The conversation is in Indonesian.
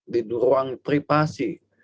di ruang privasi